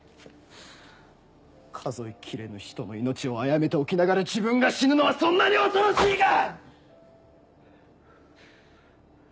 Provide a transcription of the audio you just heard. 数えきれぬ人の命を殺めておきながら自分が死ぬのはそんなに恐ろしいか！